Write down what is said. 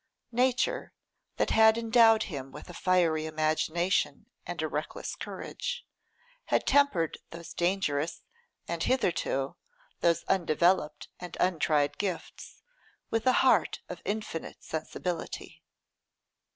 Nature, that had endowed him with a fiery imagination and a reckless courage, had tempered those dangerous, and, hitherto, those undeveloped and untried gifts, with a heart of infinite sensibility.